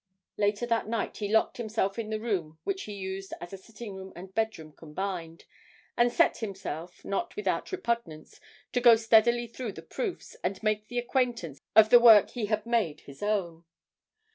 Later that night he locked himself in the room which he used as a sitting room and bedroom combined, and set himself, not without repugnance, to go steadily through the proofs, and make the acquaintance of the work he had made his own.